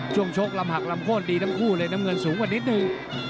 ชกลำหักลำโค้นดีทั้งคู่เลยน้ำเงินสูงกว่านิดนึง